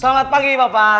selamat pagi bapak